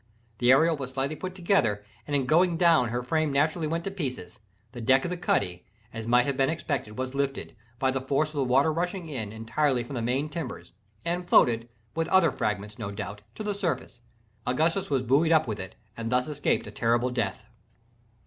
The Ariel was slightly put together, and in going down her frame naturally went to pieces; the deck of the cuddy, as might have been expected, was lifted, by the force of the water rushing in, entirely from the main timbers, and floated (with other fragments, no doubt) to the surface—Augustus was buoyed up with it, and thus escaped a terrible death.